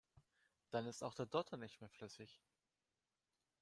Dann ist auch der Dotter nicht mehr flüssig.